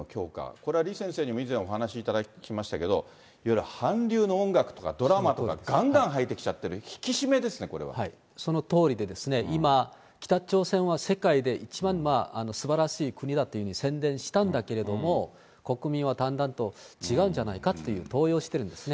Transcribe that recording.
これは李先生にも以前お話しいただきましたけれども、いわゆる韓流の音楽とかドラマとかがんがん入ってきちゃってる、そのとおりでですね、今、北朝鮮は世界で一番素晴らしい国だというふうに宣伝したんだけれども、国民はだんだんと、違うんじゃないかっていう、動揺してるんですね。